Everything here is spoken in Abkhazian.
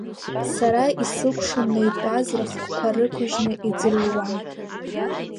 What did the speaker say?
Сара исыкәшаны итәаз рыхқәа рықәыжьны иӡырҩуан.